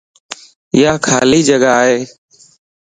يا خالي جڳا ائي